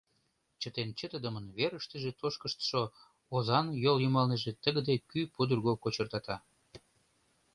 Чытен-чытыдымын верыштыже тошкыштшо озан йол йымалныже тыгыде кӱ пудырго кочыртата.